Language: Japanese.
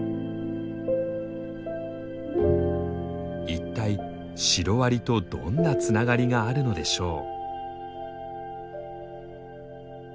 一体シロアリとどんなつながりがあるのでしょう？